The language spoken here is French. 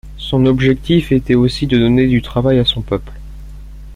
Son objectif était aussi de donner du travail à son peuple.